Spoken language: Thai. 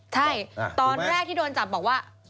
ใช่ตอนแรกที่โดนจับบอกว่า